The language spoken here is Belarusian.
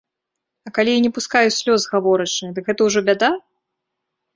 А калі я не пускаю слёз, гаворачы, дык гэта ўжо бяда?